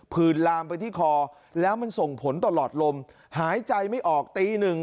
ื่นลามไปที่คอแล้วมันส่งผลตลอดลมหายใจไม่ออกตีหนึ่ง